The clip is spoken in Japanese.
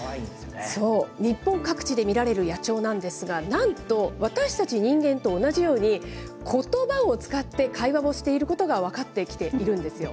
そう、日本各地で見られる野鳥なんですが、なんと私たち人間と同じように、ことばを使って会話をしていることが分かってきているんですよ。